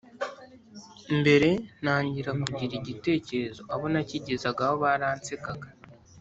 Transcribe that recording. Mbere ntangira kugira igitekerezo abo nakigezagaho baransekaga